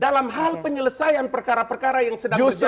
dalam hal penyelesaian perkara perkara yang sedang berjalan